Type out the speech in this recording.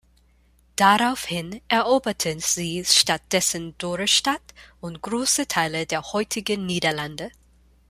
Daraufhin eroberten sie stattdessen Dorestad und große Teile der heutigen Niederlande.